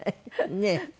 ねえ。